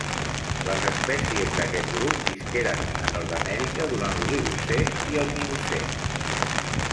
Les espècies d'aquest grup visqueren a Nord-amèrica durant l'Oligocè i el Miocè.